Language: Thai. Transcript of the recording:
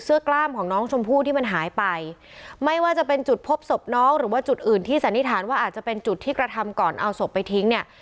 กล้ามของน้องชมพู่ที่มันหายไปไม่ว่าจะเป็นจุดพบศพน้องหรือว่าจุดอื่นที่สันนิษฐานว่าอาจจะเป็นจุดที่กระทำก่อนเอาศพไปทิ้งเนี่ย